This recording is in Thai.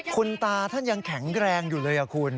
คุณตาท่านยังแข็งแรงอยู่เลยคุณ